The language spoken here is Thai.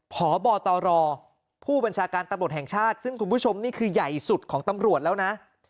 พบตรผู้บัญชาการตำรวจแห่งชาติซึ่งคุณผู้ชมนี่คือใหญ่สุดของตำรวจแล้วนะ